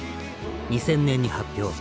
２０００年に発表。